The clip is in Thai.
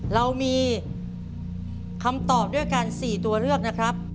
เรามีคำตอบด้วยกัน๔ตัวเลือกนะครับ